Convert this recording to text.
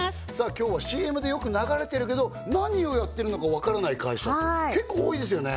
今日はＣＭでよく流れてるけど何をやってるのか分からない会社結構多いですよね